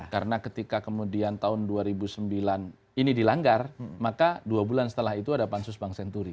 karena ketika tahun dua ribu sembilan ini dilanggar maka dua bulan setelah itu ada pansus bang senturi